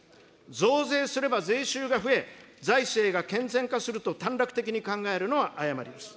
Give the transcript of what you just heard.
増税すれば税収が増え、財政が健全化すると、短絡的に考えるのは誤りです。